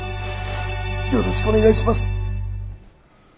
よろしくお願いします。